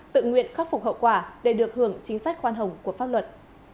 tự nguyện khắc phục hậu quả để được hưởng chính sách khoan hồng của pháp luật